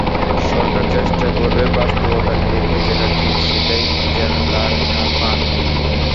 সরকার চেষ্টা করবে বাস্তবতার নিরিখে যেটা ঠিক, সেটাই যেন তাঁরা পান।